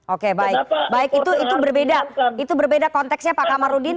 oke baik itu berbeda konteksnya pak kamarudin